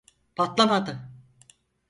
Patlamadı.